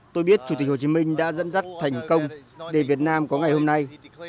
tôi biết chủ tịch hồ chí minh đã dẫn dắt thành công để việt nam có ngày hôm nay